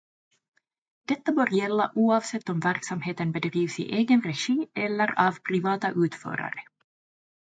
Detta bör gälla oavsett om verksamheten bedrivs i egen regi eller av privata utförare.